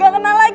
gak kena lagi